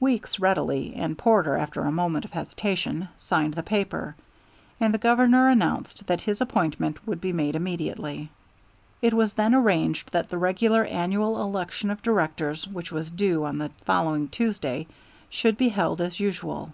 Weeks readily, and Porter after a moment of hesitation, signed the paper, and the Governor announced that his appointment would be made immediately. It was then arranged that the regular annual election of directors, which was due on the following Tuesday, should be held as usual.